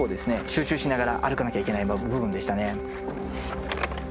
集中しながら歩かなきゃいけない部分でしたね。